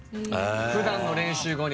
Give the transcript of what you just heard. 普段の練習後に。